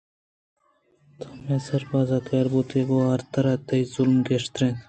تو مئے سراباز قہربوتگے پدا گوں آرتھر ءَ تئی ظُلم گیشتر اَنت